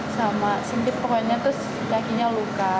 sama sempit pokoknya terus kakinya luka